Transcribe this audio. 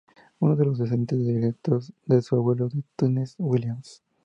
Uno de los descendientes directos de su abuelo fue Tennessee Williams.